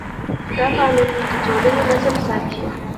دا قانون د ټولنې نظم ساتي.